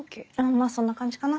まぁそんな感じかな。